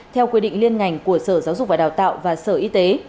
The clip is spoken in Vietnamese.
theo quy định liên ngành của sở giáo dục và đào tạo và sở y tế